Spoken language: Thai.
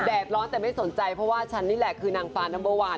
ร้อนแต่ไม่สนใจเพราะว่าฉันนี่แหละคือนางฟ้านัมเบอร์วัน